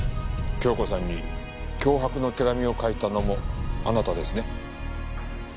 京子さんに脅迫の手紙を書いたのもあなたですね？